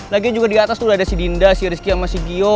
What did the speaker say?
laginya juga di atas tuh ada si dinda si rizky sama si gio